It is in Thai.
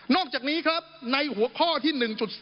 อกจากนี้ครับในหัวข้อที่๑๒